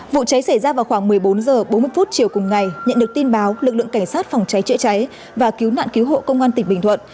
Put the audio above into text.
vụ cháy xảy ra vào khoảng một mươi bốn h bốn mươi chiều cùng ngày nhận được tin báo lực lượng cảnh sát phòng cháy chữa cháy và cứu nạn cứu hộ công an tỉnh bình thuận